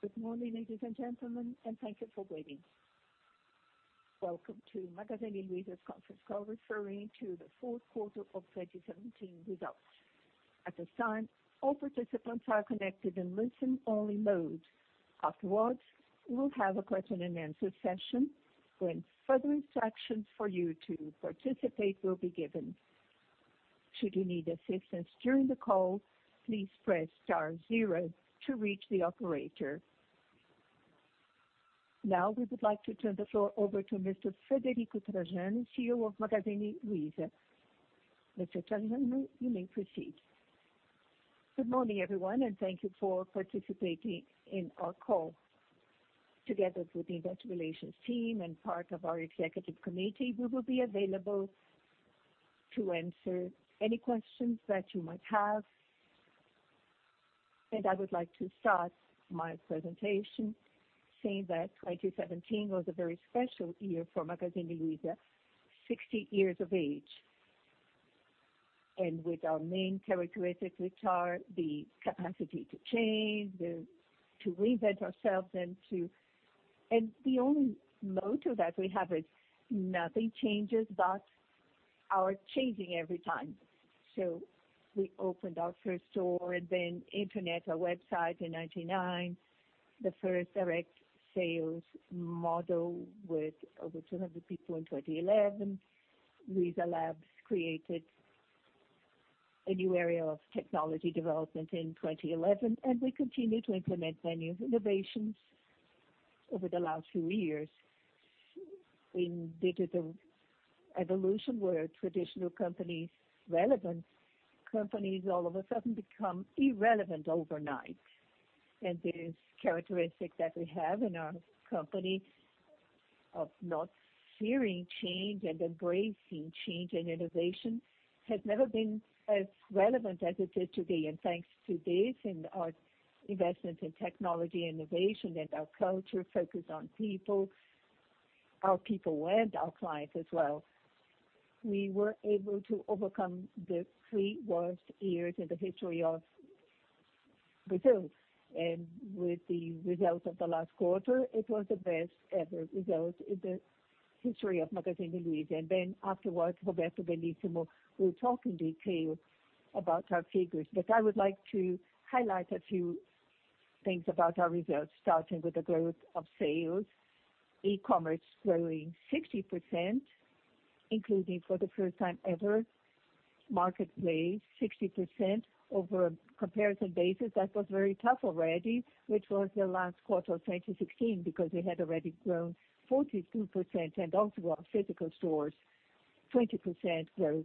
Good morning, ladies and gentlemen, thank you for waiting. Welcome to Magazine Luiza conference call referring to the fourth quarter of 2017 results. At this time, all participants are connected in listen only mode. Afterwards, we will have a question and answer session when further instructions for you to participate will be given. Should you need assistance during the call, please press star zero to reach the operator. Now we would like to turn the floor over to Mr. Frederico Trajano, CEO of Magazine Luiza. Mr. Trajano, you may proceed. Good morning, everyone, and thank you for participating in our call. Together with the investor relations team and part of our executive committee, we will be available to answer any questions that you might have. I would like to start my presentation saying that 2017 was a very special year for Magazine Luiza, 60 years of age. With our main characteristics, which are the capacity to change, to reinvent ourselves. The only motto that we have is nothing changes but our changing every time. We opened our first store, then internet, our website in 1999, the first direct sales model with over 200 people in 2011. Luiza Labs created a new area of technology development in 2011, we continue to implement many innovations over the last few years in digital evolution where traditional companies, relevant companies all of a sudden become irrelevant overnight. This characteristic that we have in our company of not fearing change and embracing change and innovation has never been as relevant as it is today. Thanks to this and our investments in technology innovation and our culture focused on people, our people and our clients as well, we were able to overcome the three worst years in the history of Brazil. With the results of the last quarter, it was the best ever result in the history of Magazine Luiza. Afterwards, Roberto Bellissimo will talk in detail about our figures. I would like to highlight a few things about our results, starting with the growth of sales, e-commerce growing 60%, including for the first time ever, Marketplace 60% over a comparison basis that was very tough already, which was the last quarter of 2016 because we had already grown 42%. Also our physical stores, 20% growth,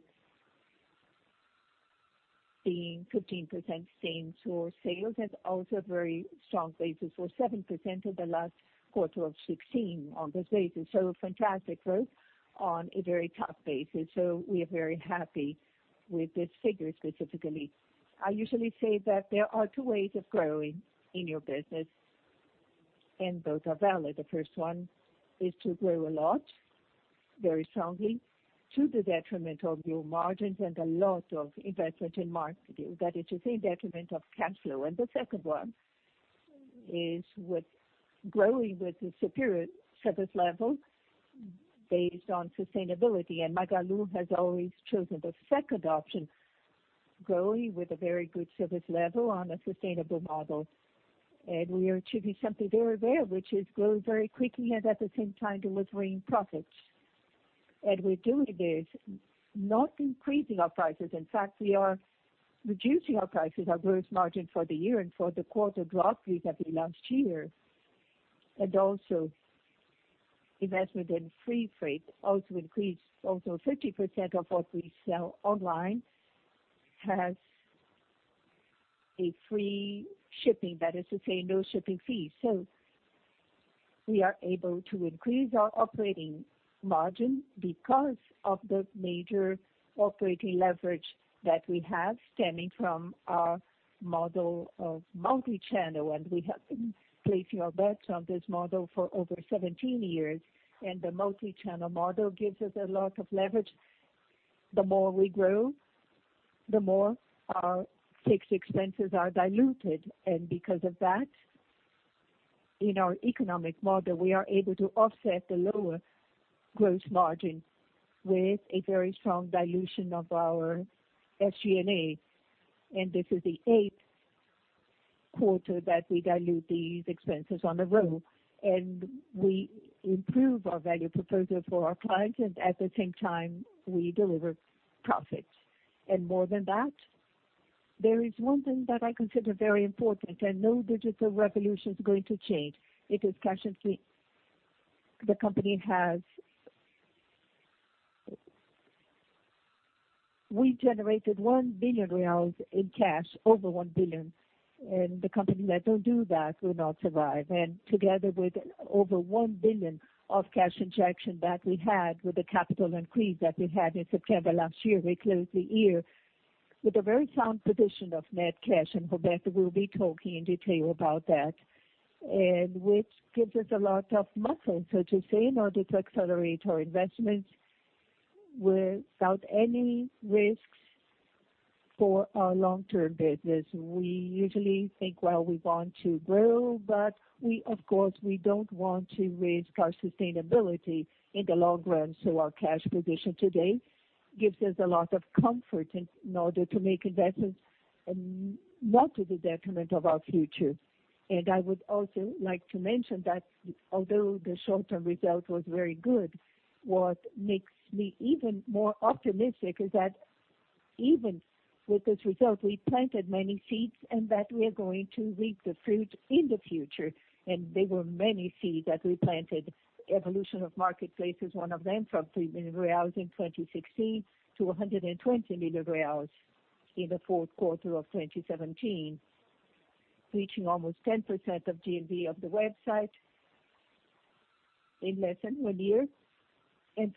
being 15% same store sales and also very strong basis for 7% in the last quarter of 2016 on this basis. Fantastic growth on a very tough basis. We are very happy with these figures specifically. I usually say that there are two ways of growing in your business, and both are valid. The first one is to grow a lot, very strongly, to the detriment of your margins and a lot of investment in marketing. That is to say, detriment of cash flow. The second one is with growing with a superior service level based on sustainability. Magalu has always chosen the second option, growing with a very good service level on a sustainable model. We are achieving something very rare, which is grow very quickly and at the same time delivering profits. We're doing this, not increasing our prices. In fact, we are reducing our prices, our gross margin for the year and for the quarter roughly that we launched year. Also, investment in free freight also increased. Also, 50% of what we sell online has free shipping. That is to say, no shipping fees. We are able to increase our operating margin because of the major operating leverage that we have stemming from our model of multi-channel. We have been placing our bets on this model for over 17 years. The multi-channel model gives us a lot of leverage. The more we grow, the more our fixed expenses are diluted. Because of that, in our economic model, we are able to offset the lower gross margin with a very strong dilution of our SG&A. This is the eighth quarter that we dilute these expenses in a row. We improve our value proposal for our clients, and at the same time, we deliver profits. More than that, there is one thing that I consider very important, and no digital revolution is going to change. It is cash flow. The company has. We generated 1 billion reais in cash, over 1 billion. The company that don't do that will not survive. Together with over 1 billion of cash injection that we had with the capital increase that we had in September last year, we closed the year with a very sound position of net cash. Roberto will be talking in detail about that, which gives us a lot of muscle, so to say, in order to accelerate our investments without any risks for our long-term business. We usually think, well, we want to grow, but of course, we don't want to risk our sustainability in the long run. Our cash position today gives us a lot of comfort in order to make investments and not to the detriment of our future. I would also like to mention that although the short-term result was very good, what makes me even more optimistic is that even with this result, we planted many seeds that we are going to reap the fruit in the future. There were many seeds that we planted. Evolution of Marketplace is one of them, from 3 million reais in 2016 to 120 million reais in the fourth quarter of 2017, reaching almost 10% of GMV of the website in less than one year.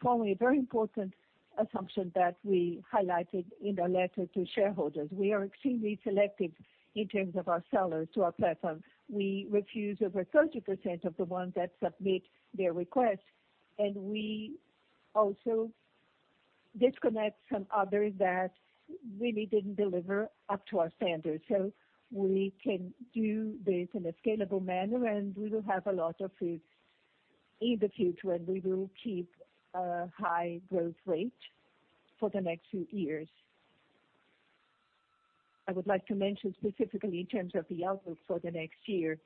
Finally, a very important assumption that we highlighted in our letter to shareholders. We are extremely selective in terms of our sellers to our platform. We refuse over 30% of the ones that submit their requests. We also disconnect some others that really didn't deliver up to our standards. We can do this in a scalable manner. We will have a lot of fruits in the future. We will keep a high growth rate for the next few years. I would like to mention specifically in terms of the outlook for the next year.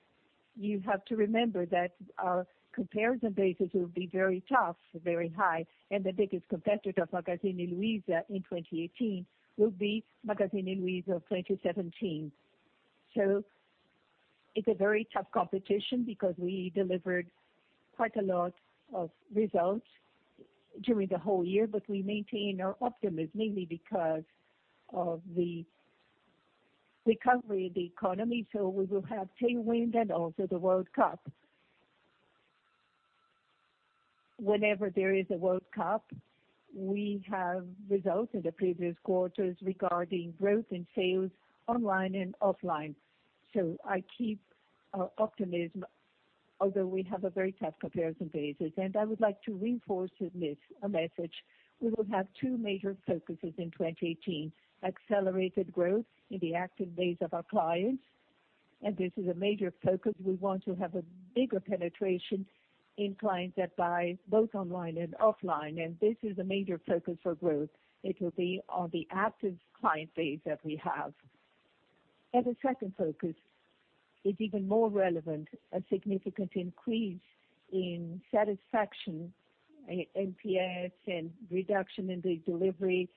You have to remember that our comparison basis will be very tough, very high. The biggest competitor of Magazine Luiza in 2018 will be Magazine Luiza of 2017. It's a very tough competition because we delivered quite a lot of results during the whole year. We maintain our optimism mainly because of the recovery of the economy. We will have tailwind and also the World Cup. Whenever there is a World Cup, we have results in the previous quarters regarding growth in sales online and offline. I keep our optimism, although we have a very tough comparison basis. I would like to reinforce this message. We will have 2 major focuses in 2018. Accelerated growth in the active base of our clients, this is a major focus. We want to have a bigger penetration in clients that buy both online and offline, this is a major focus for growth. It will be on the active client base that we have. The second focus is even more relevant, a significant increase in satisfaction, NPS, and reduction in the delivery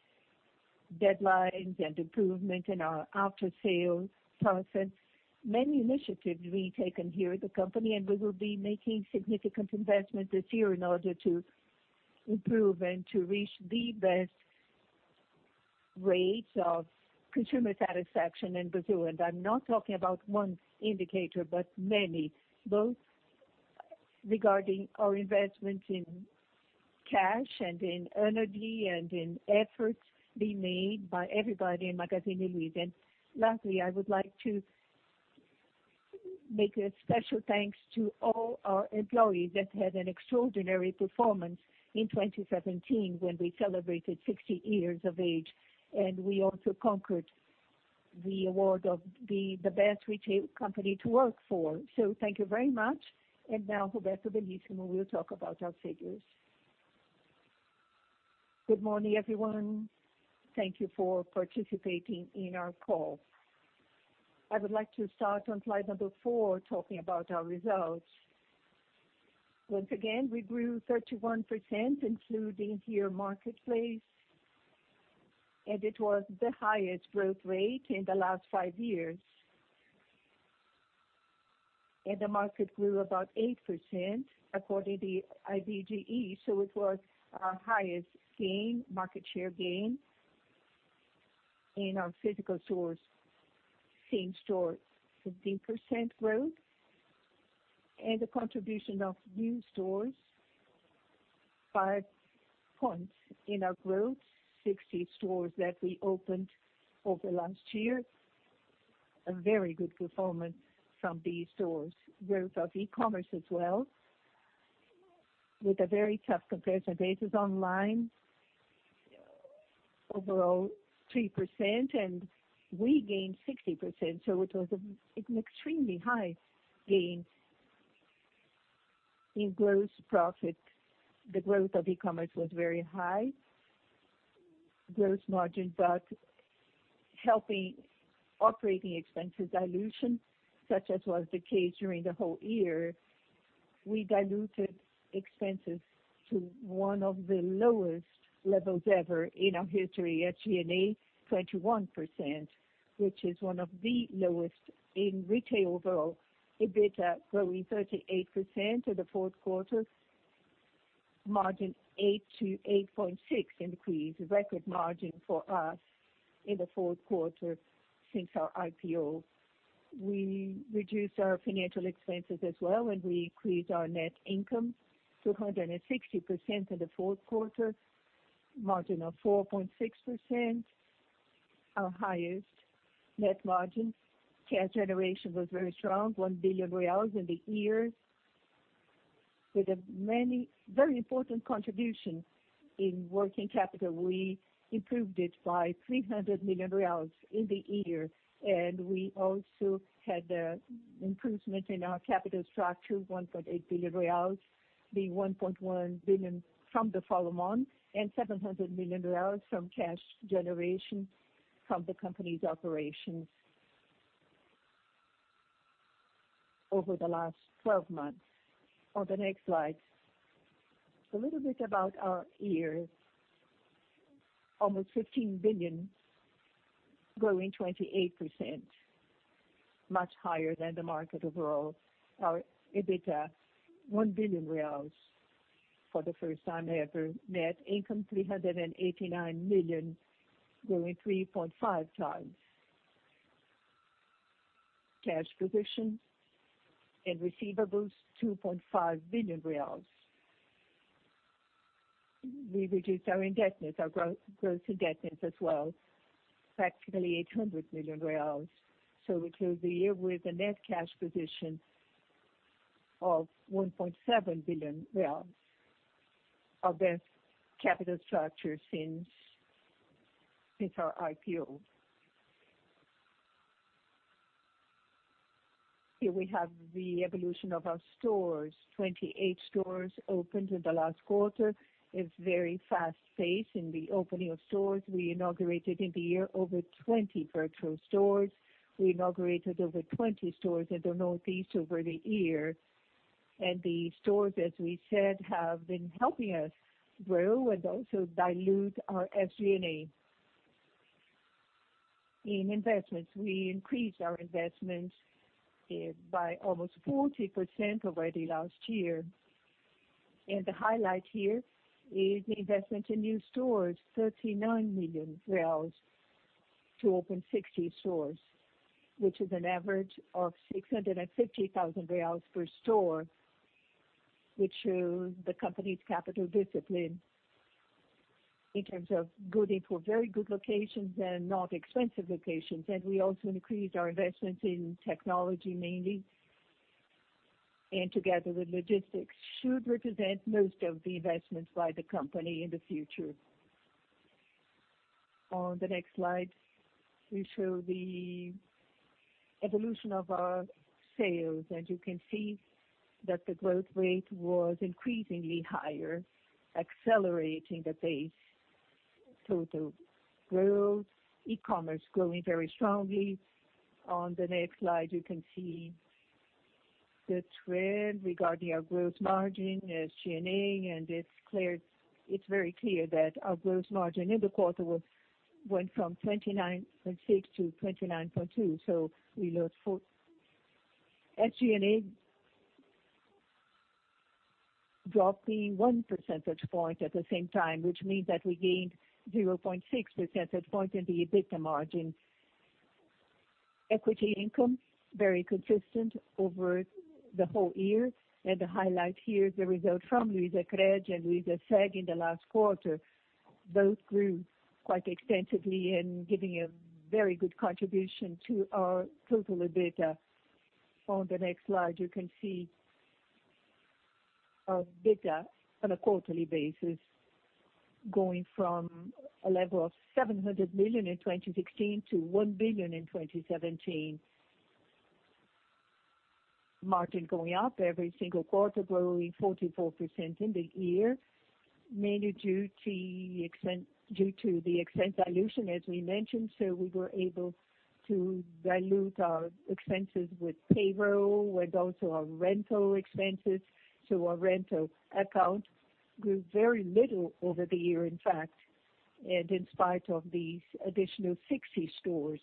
deadlines, and improvement in our after-sales process. Many initiatives will be taken here at the company, we will be making significant investment this year in order to improve and to reach the best rates of consumer satisfaction in Brazil. I'm not talking about one indicator, but many, both regarding our investment in cash and in energy and in efforts being made by everybody in Magazine Luiza. Lastly, I would like to make a special thanks to all our employees that had an extraordinary performance in 2017 when we celebrated 60 years of age, we also conquered the award of the best retail company to work for. Thank you very much. Now Roberto Bellissimo will talk about our figures. Good morning, everyone. Thank you for participating in our call. I would like to start on slide number four, talking about our results. Once again, we grew 31%, including here Marketplace, it was the highest growth rate in the last five years. The market grew about 8% according to IBGE. It was our highest gain, market share gain. In our physical stores, same store, 15% growth. The contribution of new stores, five points in our growth. 60 stores that we opened over last year. A very good performance from these stores. Growth of e-commerce as well, with a very tough comparison basis online. Overall 3%, we gained 60%, it was an extremely high gain. In gross profit, the growth of e-commerce was very high. Gross margin, helping operating expenses dilution, such as was the case during the whole year. We diluted expenses to one of the lowest levels ever in our history at G&A, 21%, which is one of the lowest in retail overall. EBITDA growing 38% in the fourth quarter. Margin eight to 8.6 increase. A record margin for us in the fourth quarter since our IPO. We reduced our financial expenses as well, we increased our net income to 160% in the fourth quarter. Margin of 4.6%. Our highest net margin. Cash generation was very strong, 1 billion in the year, with a very important contribution in working capital. We improved it by 300 million reais in the year, we also had improvement in our capital structure, 1.8 billion reais. The 1.1 billion from the follow-on and 700 million reais from cash generation from the company's operations over the last 12 months. On the next slide. A little bit about our year. Almost BRL 15 billion, growing 28%, much higher than the market overall. Our EBITDA, 1 billion reais for the first time ever. Net income 389 million, growing 3.5 times. Cash position and receivables 2.5 billion reais. We reduced our indebtedness, our gross indebtedness as well, practically 800 million reais. We closed the year with a net cash position of BRL 1.7 billion. Our best capital structure since our IPO. Here we have the evolution of our stores. 28 stores opened in the last quarter. It is very fast-paced in the opening of stores. We inaugurated in the year over 20 virtual stores. We inaugurated over 20 stores in the Northeast over the year. The stores, as we said, have been helping us grow and also dilute our SG&A. In investments, we increased our investments by almost 40% over the last year. The highlight here is the investment in new stores, 39 million to open 60 stores, which is an average of 650,000 per store, which shows the company's capital discipline in terms of going for very good locations and not expensive locations. We also increased our investments in technology mainly. Together with logistics, should represent most of the investments by the company in the future. On the next slide, we show the evolution of our sales, you can see that the growth rate was increasingly higher, accelerating the pace. Total growth, e-commerce growing very strongly. On the next slide, you can see the trend regarding our gross margin, SG&A. It is very clear that our gross margin in the quarter went from 29.6% to 29.2%, we lost 0.4. SG&A dropped one percentage point at the same time, which means that we gained 0.6 percentage point in the EBITDA margin. Equity income, very consistent over the whole year. The highlight here is the result from Luizacred and Luizaseg in the last quarter. Those grew quite extensively and giving a very good contribution to our total EBITDA. On the next slide, you can see our EBITDA on a quarterly basis going from a level of 700 million in 2016 to 1 billion in 2017. Margin going up every single quarter, growing 44% in the year, mainly due to the expense dilution, as we mentioned. We were able to dilute our expenses with payroll and also our rental expenses. Our rental account grew very little over the year, in fact, in spite of these additional 60 stores.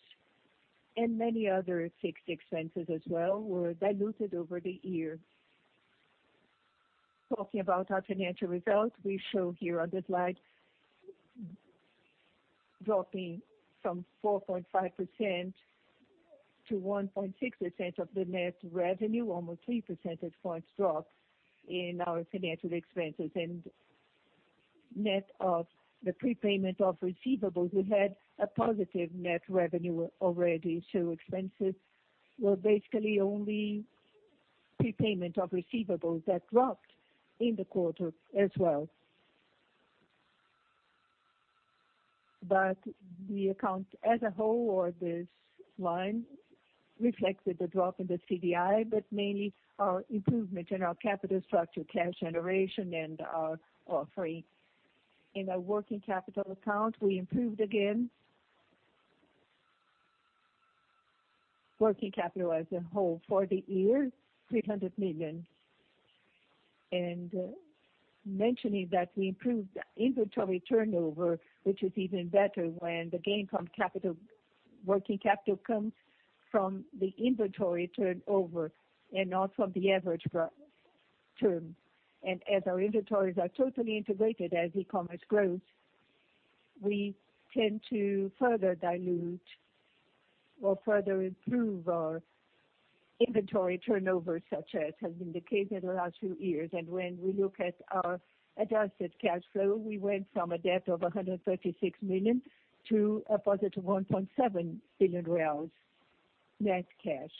Many other fixed expenses as well were diluted over the year. Talking about our financial results, we show here on the slide, dropping from 4.5% to 1.6% of the net revenue, almost three percentage points drop in our financial expenses. Net of the prepayment of receivables, we had a positive net revenue already. Expenses were basically only prepayment of receivables that dropped in the quarter as well. The account as a whole, or this line, reflected the drop in the CDI, mainly our improvement in our capital structure, cash generation, and our offering. In our working capital account, we improved again. Working capital as a whole for the year, 300 million. Mentioning that we improved inventory turnover, which is even better when the gain from working capital comes from the inventory turnover and not from the average term. As our inventories are totally integrated as e-commerce grows, we tend to further dilute or further improve our inventory turnover, such as has been the case in the last few years. When we look at our adjusted cash flow, we went from a debt of 136 million to a positive 1.7 billion reais net cash.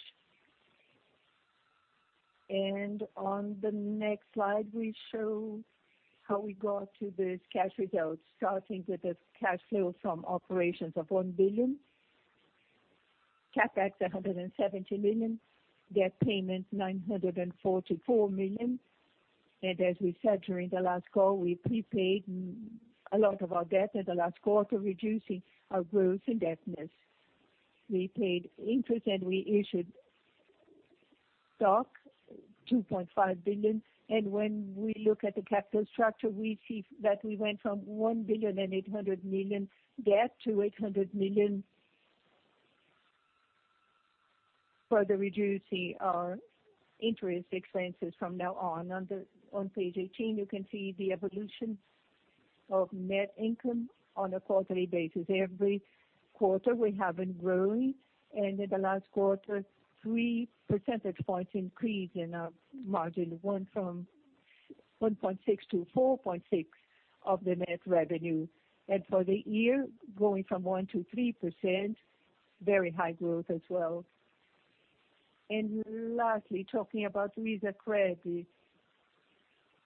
On the next slide, we show how we got to this cash result, starting with the cash flow from operations of 1 billion. CapEx 170 million, debt payment 944 million. As we said during the last call, we prepaid a lot of our debt in the last quarter, reducing our gross indebtedness. We paid interest and we issued stock, 2.5 billion. When we look at the capital structure, we see that we went from 1.8 billion debt to 800 million, further reducing our interest expenses from now on. On page 18, you can see the evolution of net income on a quarterly basis. Every quarter we have been growing. In the last quarter, three percentage points increase in our margin, went from 1.6% to 4.6% of the net revenue. For the year, going from 1% to 3%, very high growth as well. Lastly, talking about Luizacred,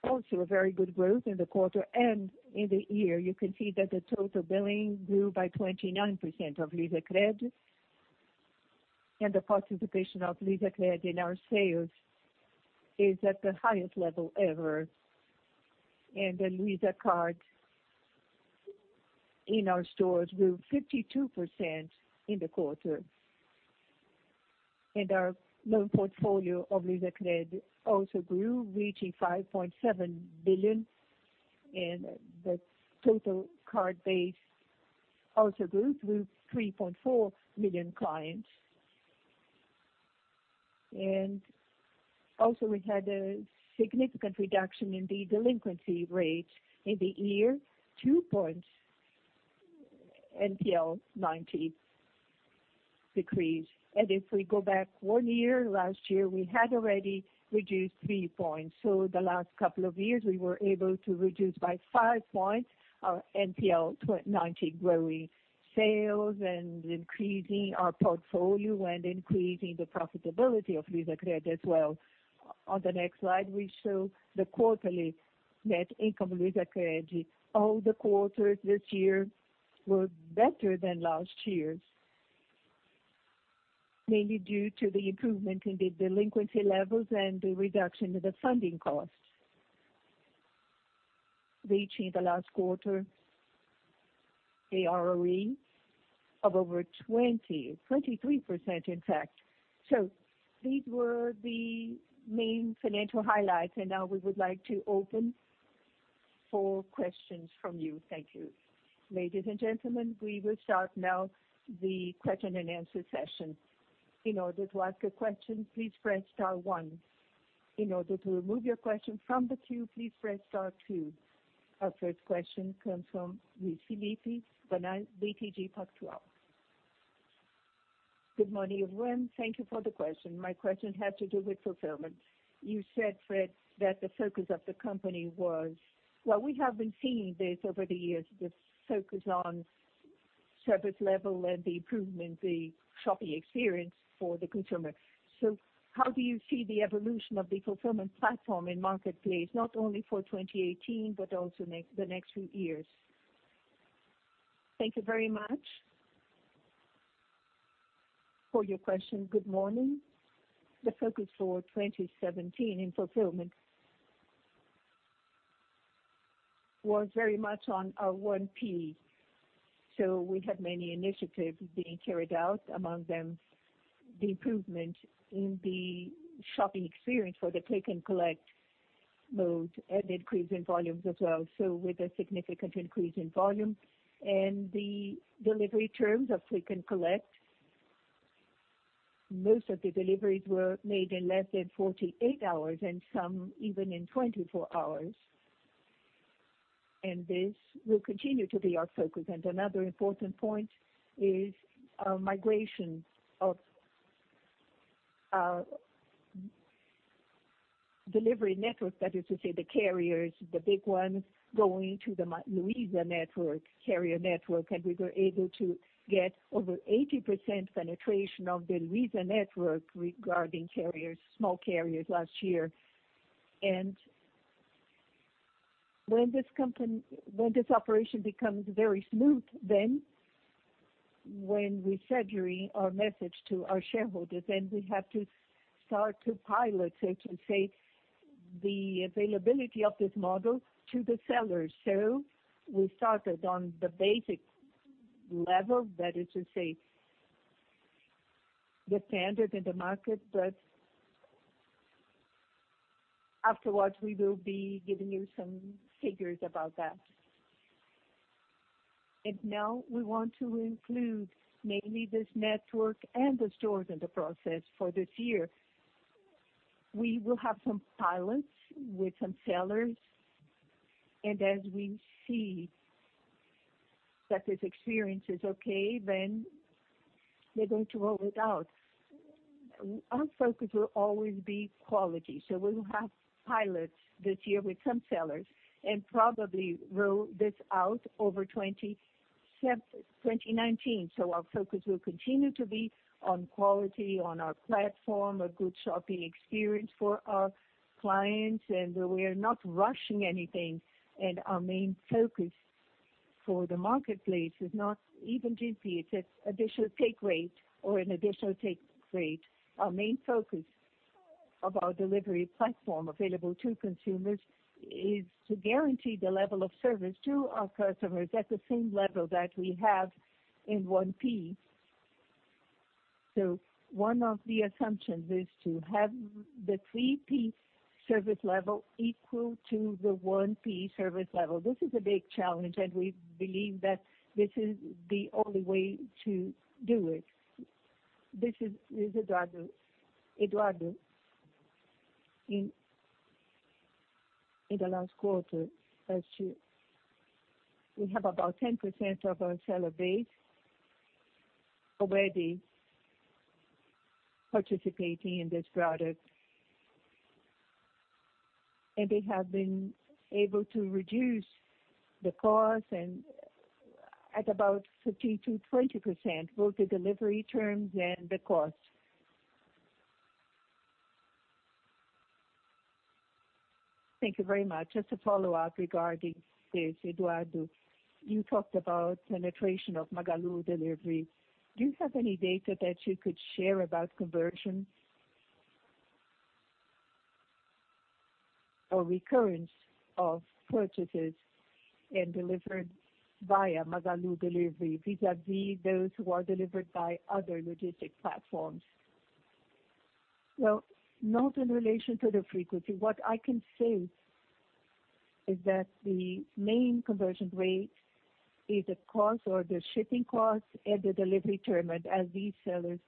also a very good growth in the quarter and in the year. You can see that the total billing grew by 29% for Luizacred. The participation of Luizacred in our sales is at the highest level ever. The LuizaCard in our stores grew 52% in the quarter. Our loan portfolio of Luizacred also grew, reaching 5.7 billion. The total card base also grew, 3.4 million clients. Also we had a significant reduction in the delinquency rate in the year, two points NPL90 decreased. If we go back 1 year, last year, we had already reduced three points. The last couple of years, we were able to reduce by five points our NPL90, growing sales and increasing our portfolio and increasing the profitability of Luizacred as well. On the next slide, we show the quarterly net income of Luizacred. All the quarters this year were better than last year's, mainly due to the improvement in the delinquency levels and the reduction in the funding costs. Reaching the last quarter, a ROE of over 20%, 23% in fact. These were the main financial highlights, now we would like to open for questions from you. Thank you. Ladies and gentlemen, we will start now the question and answer session. In order to ask a question, please press star 1. In order to remove your question from the queue, please press star 2. Our first question comes from Luiz Felipe, BTG Pactual. Good morning, everyone. Thank you for the question. My question had to do with fulfillment. You said, Fred, that the focus of the company, well, we have been seeing this over the years, this focus on service level and the improvement in the shopping experience for the consumer. How do you see the evolution of the fulfillment platform in Marketplace, not only for 2018, but also the next few years? Thank you very much for your question. Good morning. The focus for 2017 in fulfillment was very much on our 1P. We had many initiatives being carried out, among them the improvement in the shopping experience for the click and collect mode and increase in volumes as well. With a significant increase in volume and the delivery terms of click and collect, most of the deliveries were made in less than 48 hours and some even in 24 hours. This will continue to be our focus. Another important point is our migration of our delivery network. That is to say the carriers, the big ones going to the Luiza network, carrier network. We were able to get over 80% penetration of the Luiza network regarding small carriers last year. When this operation becomes very smooth, when we said during our message to our shareholders, we have to start to pilot, so to say, the availability of this model to the sellers. We started on the basic level, that is to say, the standard in the market, but afterwards we will be giving you some figures about that. Now we want to include mainly this network and the stores in the process for this year. We will have some pilots with some sellers, and as we see that this experience is okay, we're going to roll it out. Our focus will always be quality. We will have pilots this year with some sellers and probably roll this out over 2019. Our focus will continue to be on quality, on our platform, a good shopping experience for our clients, and we are not rushing anything. Our main focus for the Marketplace is not even GP, it's an additional take rate or an additional take rate. Our main focus of our delivery platform available to consumers is to guarantee the level of service to our customers at the same level that we have in 1P. One of the assumptions is to have the 3P service level equal to the 1P service level. This is a big challenge, and we believe that this is the only way to do it. This is Eduardo. In the last quarter, we have about 10% of our seller base already participating in this product. They have been able to reduce the cost at about 15%-20%, both the delivery terms and the cost. Thank you very much. Just a follow-up regarding this, Eduardo. You talked about penetration of Magalu Delivery. Do you have any data that you could share about conversion or recurrence of purchases and delivered via Magalu Delivery vis-a-vis those who are delivered by other logistic platforms? Well, not in relation to the frequency. What I can say is that the main conversion rate is the cost or the shipping cost and the delivery term. As these sellers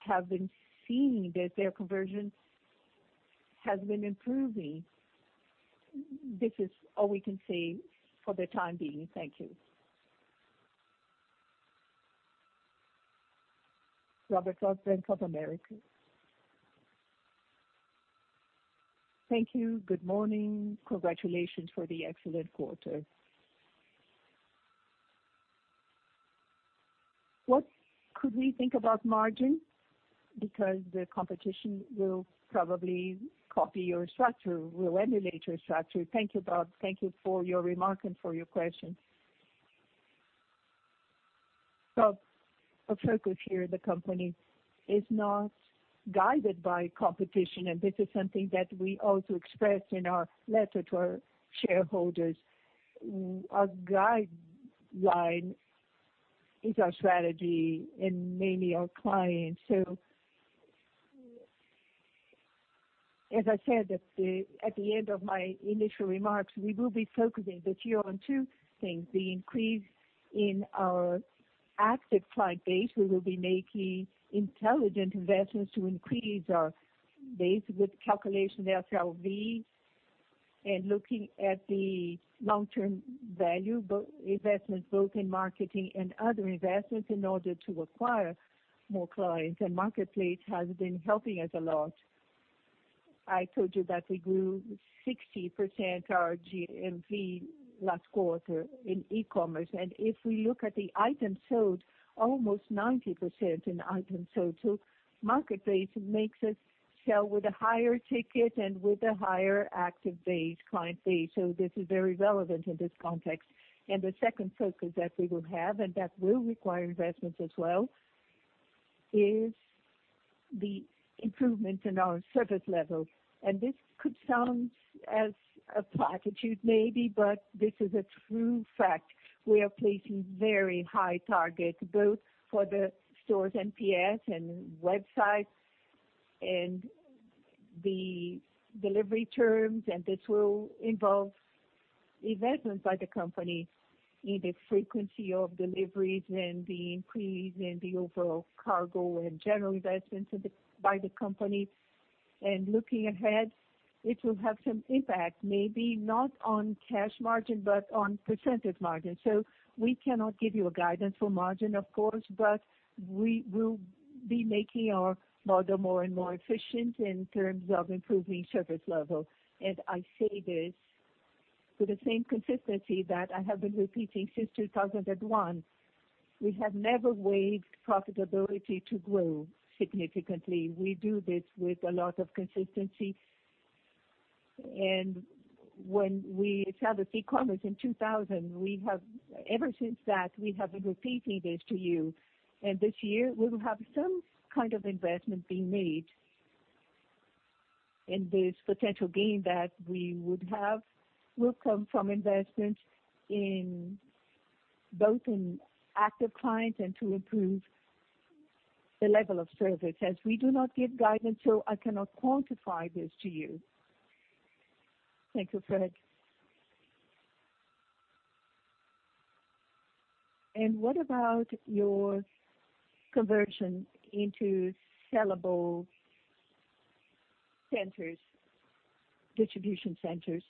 have been seeing that their conversion has been improving. This is all we can say for the time being. Thank you. Robert Ford, Bank of America. Thank you. Good morning. Congratulations for the excellent quarter. What could we think about margin? The competition will probably copy your structure, will emulate your structure. Thank you, Bob. Thank you for your remark and for your question. Bob, our focus here at the company is not guided by competition, and this is something that we also expressed in our letter to our shareholders. Our guideline is our strategy and mainly our clients. As I said at the end of my initial remarks, we will be focusing this year on two things. The increase in our active client base. We will be making intelligent investments to increase our base with calculation FLV and looking at the long-term value, both investments, both in marketing and other investments in order to acquire more clients. Marketplace has been helping us a lot. I told you that we grew 60% our GMV last quarter in e-commerce. If we look at the items sold, almost 90% in items sold. Marketplace makes us sell with a higher ticket and with a higher active base, client base. This is very relevant in this context. The second focus that we will have, and that will require investments as well, is the improvement in our service level. This could sound as a platitude maybe, but this is a true fact. We are placing very high targets both for the stores NPS and websites and the delivery terms, and this will involve investments by the company in the frequency of deliveries and the increase in the overall cargo and general investments by the company. Looking ahead, it will have some impact, maybe not on cash margin, but on percentage margin. We cannot give you a guidance for margin, of course, but we will be making our model more and more efficient in terms of improving service level. I say this with the same consistency that I have been repeating since 2001. We have never waived profitability to grow significantly. We do this with a lot of consistency. When we established e-commerce in 2000, ever since that, we have been repeating this to you. This year we will have some kind of investment being made. This potential gain that we would have will come from investments both in active clients and to improve the level of service. As we do not give guidance, so I cannot quantify this to you. Thank you, Fred. What about your conversion into sellable distribution centers?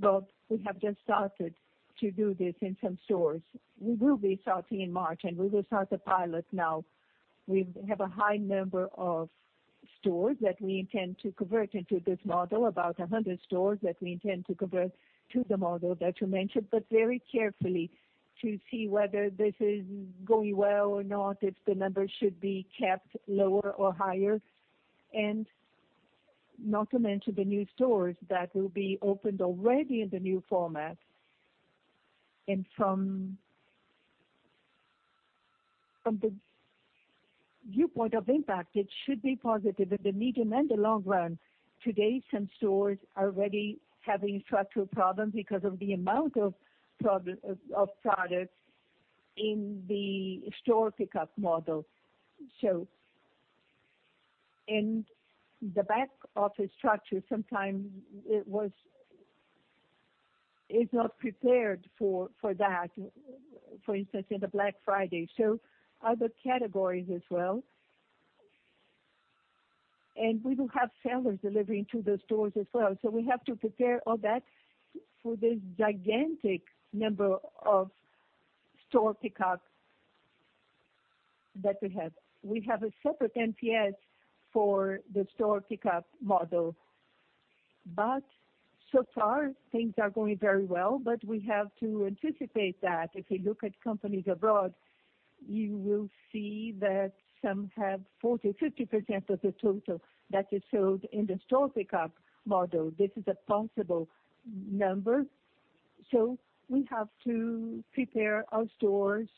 Well, we have just started to do this in some stores. We will be starting in March, and we will start the pilot now. We have a high number of stores that we intend to convert into this model, about 100 stores that we intend to convert to the model that you mentioned, but very carefully to see whether this is going well or not, if the numbers should be kept lower or higher, and not to mention the new stores that will be opened already in the new format. From the viewpoint of impact, it should be positive in the medium and the long run. Today, some stores are already having structural problems because of the amount of products in the store pickup model. So, in the back office structure, sometimes it's not prepared for that, for instance, in the Black Friday, so other categories as well. We will have sellers delivering to the stores as well. We have to prepare all that for this gigantic number of store pickup that we have. We have a separate NPS for the store pickup model. So far things are going very well, but we have to anticipate that. If you look at companies abroad, you will see that some have 40%, 50% of the total that is sold in the store pickup model. This is a possible number. We have to prepare our stores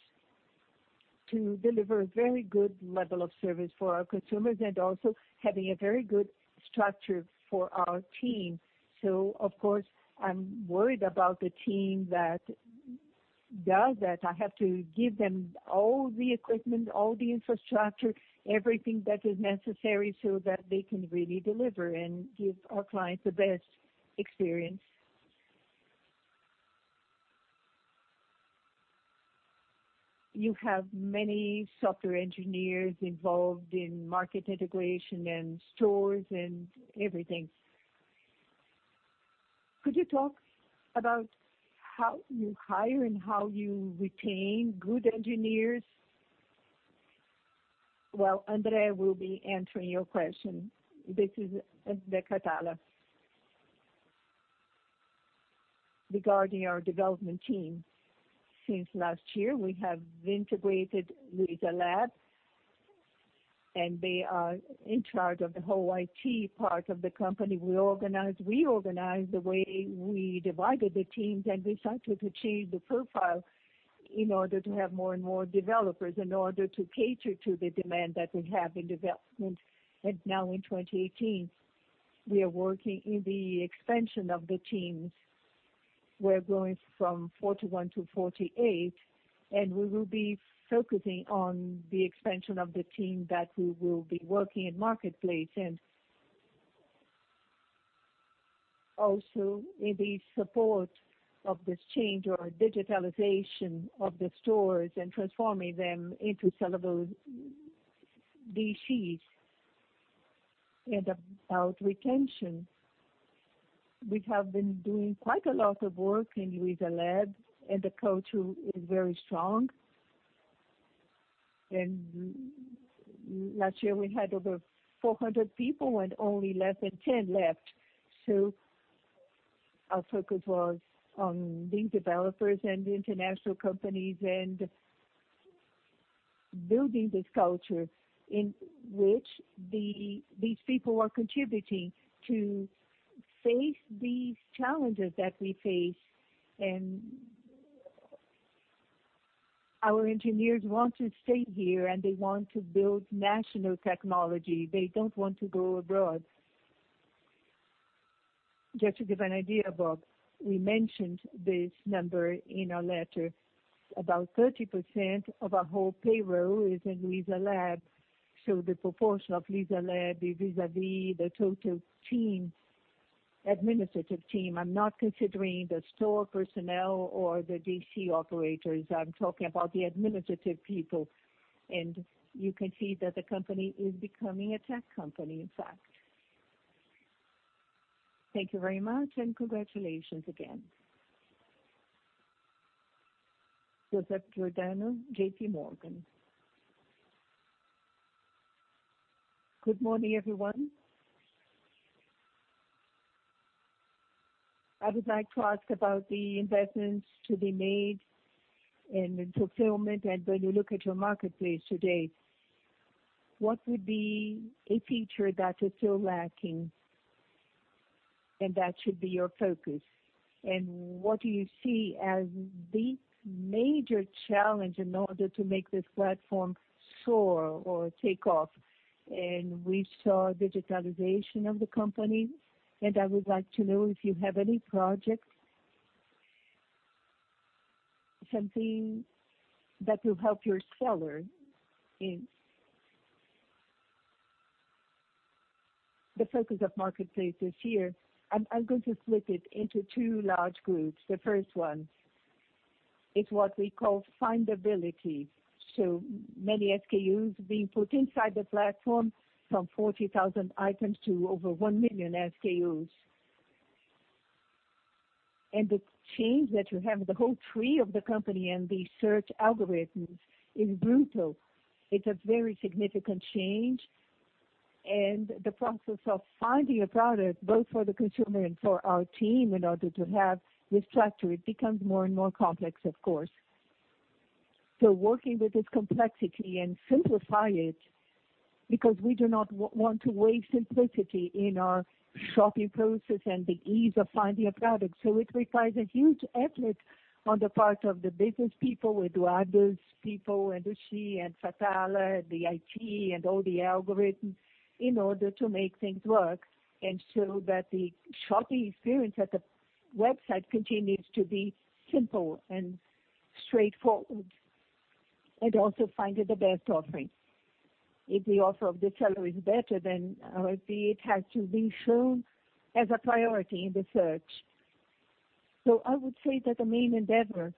to deliver a very good level of service for our consumers and also having a very good structure for our team. Of course, I'm worried about the team that does that. I have to give them all the equipment, all the infrastructure, everything that is necessary so that they can really deliver and give our clients the best experience. You have many software engineers involved in market integration and stores and everything. Could you talk about how you hire and how you retain good engineers? Well, André will be answering your question. This is Fatala. Regarding our development team. Since last year, we have integrated Luiza Labs, and they are in charge of the whole IT part of the company. We organized the way we divided the teams, and we started to change the profile in order to have more and more developers, in order to cater to the demand that we have in development. Now in 2018, we are working in the expansion of the teams. We're going from 41 to 48, and we will be focusing on the expansion of the team that we will be working in Marketplace and also in the support of this change or digitalization of the stores and transforming them into sellable DCs. About retention, we have been doing quite a lot of work in Luiza Labs, and the culture is very strong. Last year we had over 400 people and only less than 10 left. Our focus was on these developers and the international companies and building this culture in which these people are contributing to face these challenges that we face. Our engineers want to stay here, and they want to build national technology. They don't want to go abroad. Just to give an idea, Bob, we mentioned this number in our letter. About 30% of our whole payroll is in Luiza Labs. The proportion of Luiza Labs vis-à-vis the total administrative team, I'm not considering the store personnel or the DC operators. I'm talking about the administrative people. You can see that the company is becoming a tech company, in fact. Thank you very much, and congratulations again. Joseph Giordano, JP Morgan. Good morning, everyone. I would like to ask about the investments to be made in fulfillment, and when you look at your Marketplace today, what would be a feature that is still lacking and that should be your focus? What do you see as the major challenge in order to make this platform soar or take off? We saw digitalization of the company, and I would like to know if you have any projects, something that will help your seller. The focus of Marketplace this year, I'm going to split it into two large groups. The first one is what we call findability. Many SKUs being put inside the platform, from 40,000 items to over 1 million SKUs. The change that you have the whole tree of the company and the search algorithms is brutal. It's a very significant change. The process of finding a product, both for the consumer and for our team in order to have this structure, it becomes more and more complex, of course. Working with this complexity and simplify it, because we do not want to waste simplicity in our shopping process and the ease of finding a product. It requires a huge effort on the part of the business people with others people and [Uschi] and Fatala, the IT and all the algorithms in order to make things work. That the shopping experience at the website continues to be simple and straightforward. Also finding the best offering. If the offer of the seller is better, then it has to be shown as a priority in the search. I would say that the main endeavor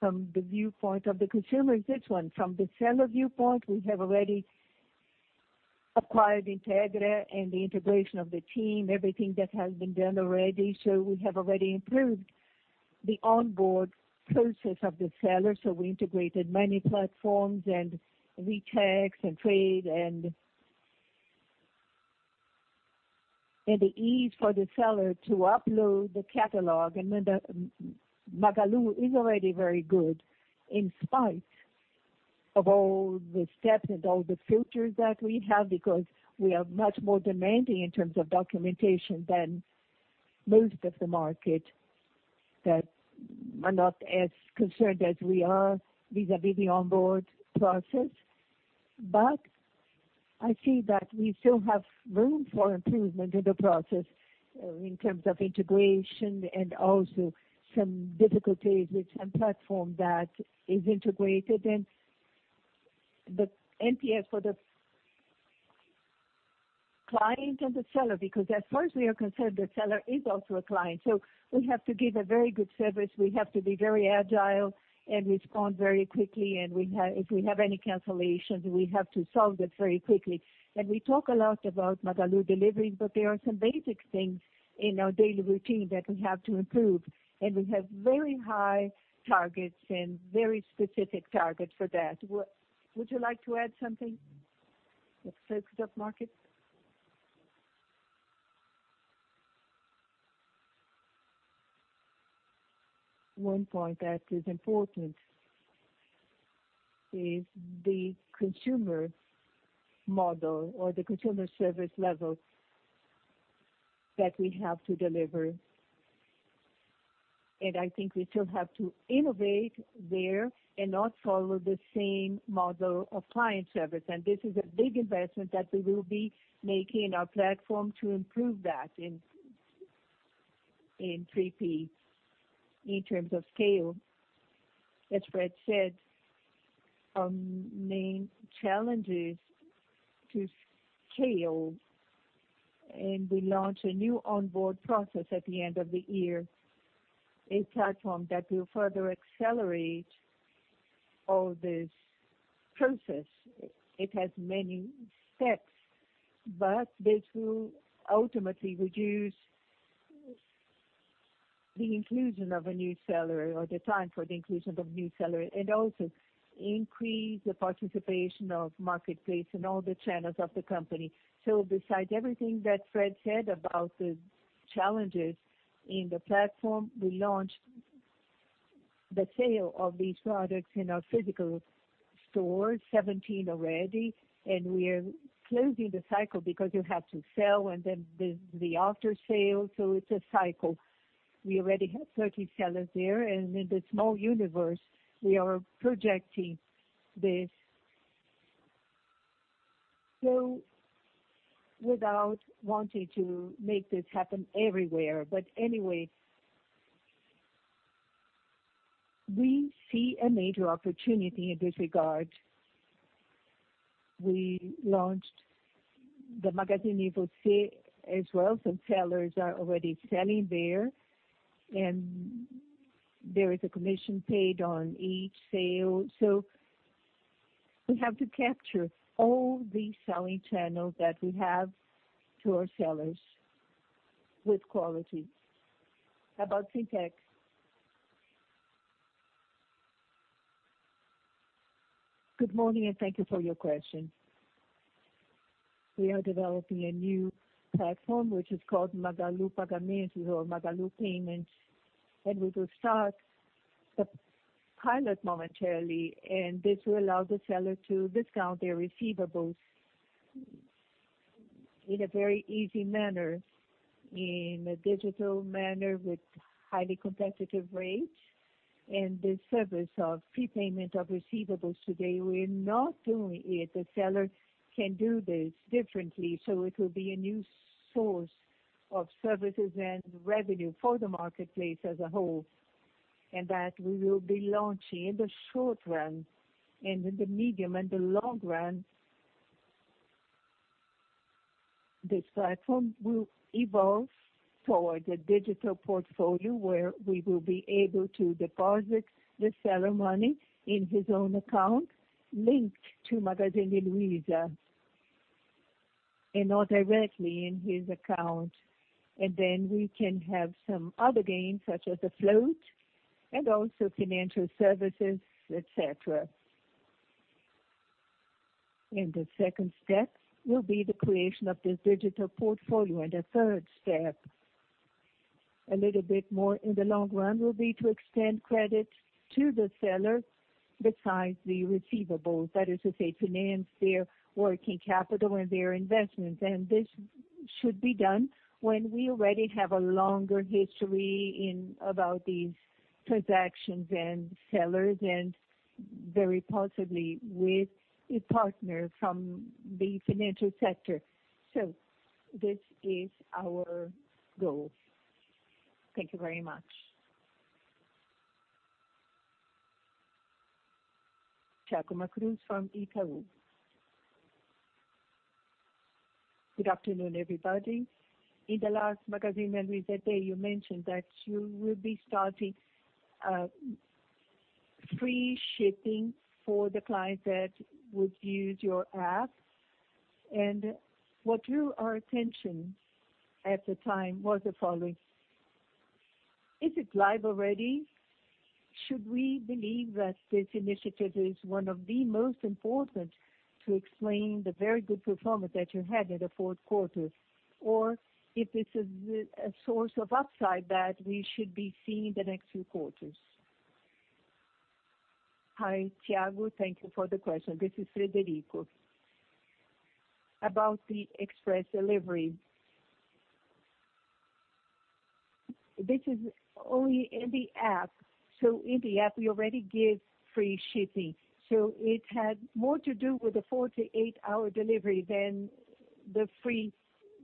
from the viewpoint of the consumer is this one. From the seller viewpoint, we have already acquired Integra and the integration of the team, everything that has been done already. We have already improved the onboard process of the seller. We integrated many platforms and VTEX and Tray and the ease for the seller to upload the catalog. Magalu is already very good in spite of all the steps and all the filters that we have, because we are much more demanding in terms of documentation than most of the market that are not as concerned as we are vis-à-vis the onboard process. I see that we still have room for improvement in the process in terms of integration and also some difficulties with some platform that is integrated and the NPS for the client and the seller. Because as far as we are concerned, the seller is also a client. We have to give a very good service. We have to be very agile and respond very quickly. If we have any cancellations, we have to solve it very quickly. We talk a lot about Magalu Delivery, but there are some basic things in our daily routine that we have to improve. We have very high targets and very specific targets for that. Would you like to add something? With focus of market. One point that is important is the consumer model or the consumer service level that we have to deliver. I think we still have to innovate there and not follow the same model of client service. This is a big investment that we will be making in our platform to improve that in 3P. In terms of scale, as Fred said, our main challenge is to scale. We launch a new onboard process at the end of the year, a platform that will further accelerate all this process. It has many steps, but this will ultimately reduce the inclusion of a new seller or the time for the inclusion of new seller, and also increase the participation of Marketplace in all the channels of the company. Besides everything that Fred said about the challenges in the platform, we launched the sale of these products in our physical stores, 17 already, and we are closing the cycle because you have to sell and then the after-sale. It's a cycle. We already have 30 sellers there, and in the small universe, we are projecting this. Without wanting to make this happen everywhere, but anyway, we see a major opportunity in this regard. We launched the Magazine Você as well. Some sellers are already selling there, and there is a commission paid on each sale. We have to capture all the selling channels that we have to our sellers with quality. About FinTech. Good morning, and thank you for your question. We are developing a new platform, which is called Magalu Pagamentos or Magalu Payments, and we will start the pilot momentarily, and this will allow the seller to discount their receivables in a very easy manner, in a digital manner with highly competitive rates. The service of prepayment of receivables today, we're not doing it. The seller can do this differently. It will be a new source of services and revenue for the Marketplace as a whole. That we will be launching in the short run and in the medium and the long run. This platform will evolve toward a digital portfolio where we will be able to deposit the seller money in his own account linked to Magazine Luiza and not directly in his account. Then we can have some other gains such as the float and also financial services, et cetera. The second step will be the creation of this digital portfolio. The third step, a little bit more in the long run, will be to extend credit to the seller besides the receivables. That is to say, finance their working capital and their investments. This should be done when we already have a longer history about these transactions and sellers and very possibly with a partner from the financial sector. This is our goal. Thank you very much. Thiago Macruz from Itaú. Good afternoon, everybody. In the last Magazine Luiza day, you mentioned that you will be starting free shipping for the clients that would use your app. What drew our attention at the time was the following. Is it live already? Should we believe that this initiative is one of the most important to explain the very good performance that you had in the fourth quarter? If this is a source of upside that we should be seeing in the next few quarters. Hi, Thiago. Thank you for the question. This is Frederico. About the express delivery. This is only in the app. In the app, we already give free shipping. It had more to do with the 4 to 8-hour delivery than the free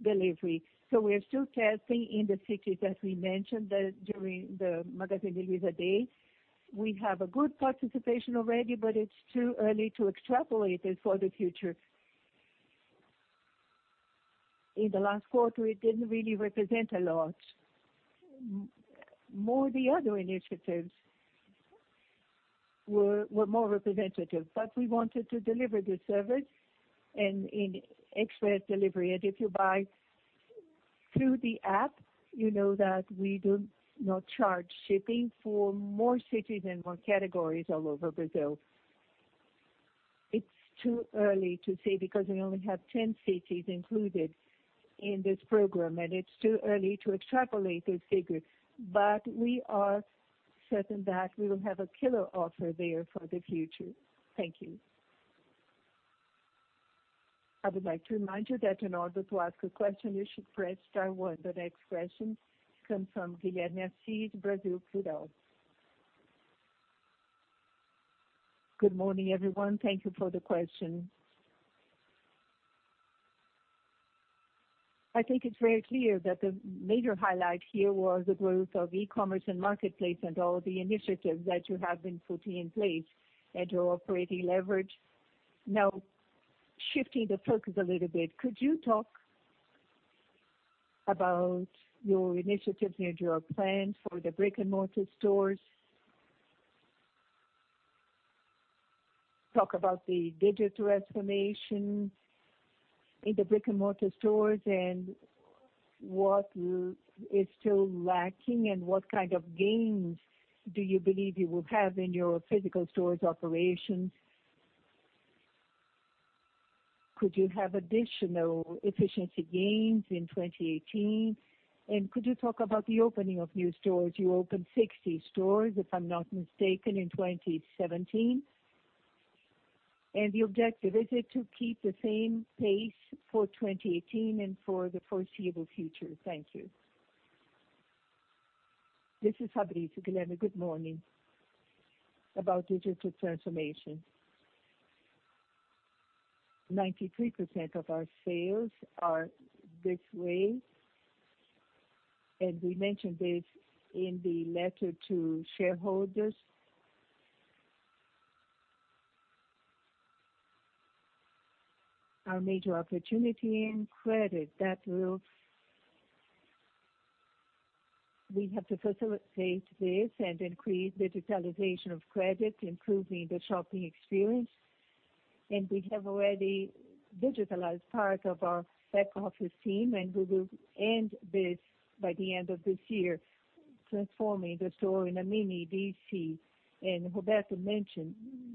delivery. We're still testing in the cities that we mentioned during the Magazine Luiza day. We have a good participation already, but it's too early to extrapolate it for the future. In the last quarter, it didn't really represent a lot. More the other initiatives were more representative, but we wanted to deliver this service and in express delivery. If you buy through the app, you know that we do not charge shipping for more cities and more categories all over Brazil. It's too early to say because we only have 10 cities included in this program, and it's too early to extrapolate this figure. We are certain that we will have a killer offer there for the future. Thank you. I would like to remind you that in order to ask a question, you should press star one. The next question comes from Guilherme Assis, Credit Suisse. Good morning, everyone. Thank you for the question. I think it's very clear that the major highlight here was the growth of e-commerce and Marketplace and all the initiatives that you have been putting in place and your operating leverage. Now, shifting the focus a little bit, could you talk about your initiatives and your plans for the brick-and-mortar stores? Talk about the digital transformation in the brick-and-mortar stores and what is still lacking and what kind of gains do you believe you will have in your physical stores operations. Could you have additional efficiency gains in 2018? Could you talk about the opening of new stores? You opened 60 stores, if I'm not mistaken, in 2017. The objective, is it to keep the same pace for 2018 and for the foreseeable future? Thank you. This is Fabrício. Guilherme, good morning. About digital transformation, 93% of our sales are this way, and we mentioned this in the letter to shareholders. Our major opportunity in credit. We have to facilitate this and increase digitalization of credit, improving the shopping experience. We have already digitalized part of our back office team, and we will end this by the end of this year, transforming the store in a mini DC. Roberto mentioned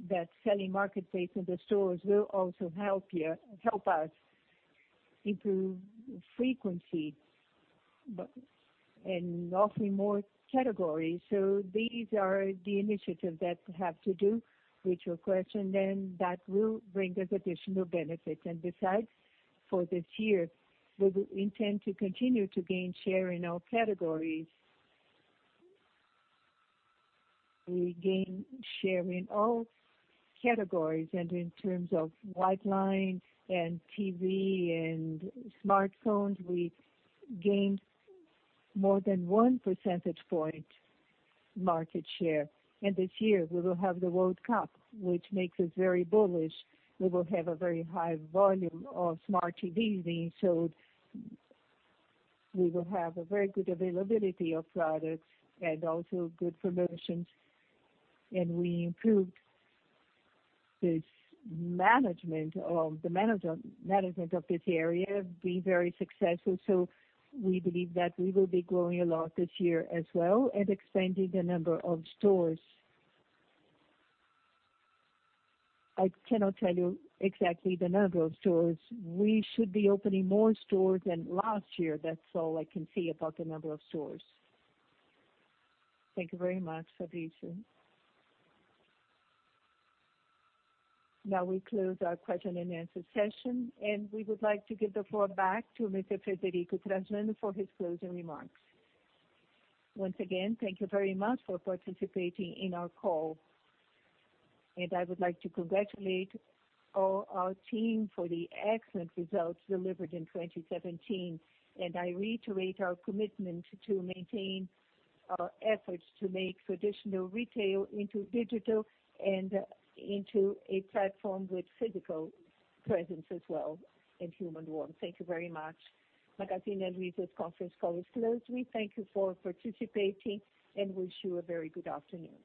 that selling Marketplace in the stores will also help us improve frequency and offering more categories. These are the initiatives that have to do with your question, and that will bring us additional benefits. For this year, we will intend to continue to gain share in all categories. We gain share in all categories, and in terms of white line and TV and smartphones, we gained more than one percentage point market share. This year, we will have the World Cup, which makes us very bullish. We will have a very high volume of smart TVs being sold. We will have a very good availability of products and also good promotions. We improved the management of this area being very successful. We believe that we will be growing a lot this year as well and expanding the number of stores. I cannot tell you exactly the number of stores. We should be opening more stores than last year. That's all I can say about the number of stores. Thank you very much, Fabrício. We close our question and answer session, and we would like to give the floor back to Mr. Frederico Trajano for his closing remarks. Once again, thank you very much for participating in our call. I would like to congratulate all our team for the excellent results delivered in 2017. I reiterate our commitment to maintain our efforts to make traditional retail into digital and into a platform with physical presence as well and human warmth. Thank you very much. Magazine Luiza's conference call is closed. We thank you for participating and wish you a very good afternoon.